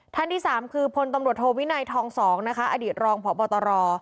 ท่านที่สามคือพลตำรวจโทวินัยทองสองอดีตรองพปตร